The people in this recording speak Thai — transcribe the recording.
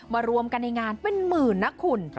รวมกันในงานเป็นหมื่นนะคุณ